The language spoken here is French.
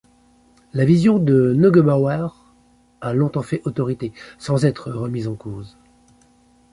La vision de Neugebauer a longtemps fait autorité, sans être remis en cause.